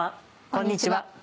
こんにちは。